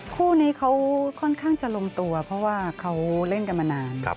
คู่นี้เขาค่อนข้างจะลงตัวเพราะว่าเขาเล่นกันมานาน